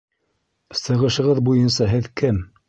Сығышығыҙ буйынса һеҙ кем?